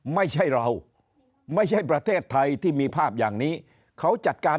ไม่ใช่เราไม่ใช่ประเทศไทยที่มีภาพอย่างนี้เขาจัดการ